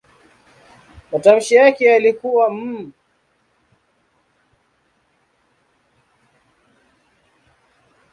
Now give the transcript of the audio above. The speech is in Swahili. Matamshi yake yalikuwa "m".